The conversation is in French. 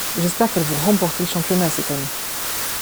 J'espère qu'elles vont remporter le championnat cette année.